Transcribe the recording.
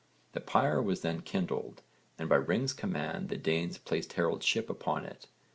The pyre was then kindled and by Ring's command the Danes placed Harold's ship upon it.